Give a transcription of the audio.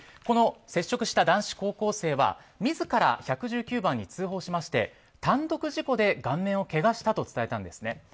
接触した男子高校生は自ら１１９番に通報しまして単独事故で顔面をけがしたと伝えたんですね。